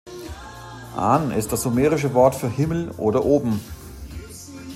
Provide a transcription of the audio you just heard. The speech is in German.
An ist das sumerische Wort für „Himmel“ oder „Oben“.